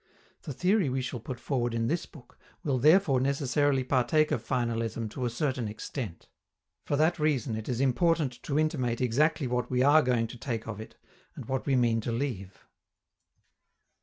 The theory we shall put forward in this book will therefore necessarily partake of finalism to a certain extent. For that reason it is important to intimate exactly what we are going to take of it, and what we mean to leave.